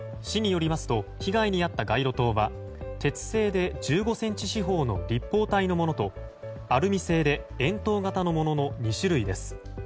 市によりますと被害に遭った街路灯は鉄製で１５ｃｍ四方の立方体のものとアルミ製で円筒型のものの２種類です。